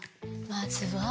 まずは。